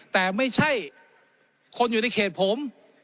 แต่ไม่ใช่คนอยู่ในเขตผม